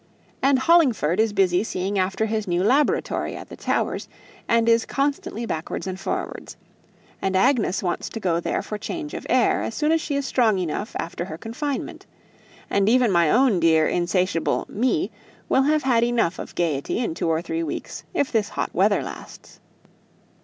"And Hollingford is busy seeing after his new laboratory at the Towers, and is constantly backwards and forwards. And Agnes wants to go there for change of air, as soon as she is strong enough after her confinement. And even my own dear insatiable 'me' will have had enough of gaiety in two or three weeks, if this hot weather lasts."